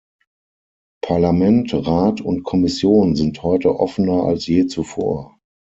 Parlament, Rat und Kommission sind heute offener als je zuvor.